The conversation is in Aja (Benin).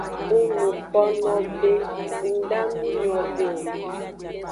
Ng nuko be nda nu nyode o.